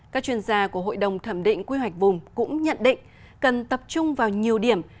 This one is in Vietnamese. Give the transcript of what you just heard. các chuyên gia của hội đồng thẩm định quy hoạch vùng cũng nhận định cần tập trung vào nhiều điểm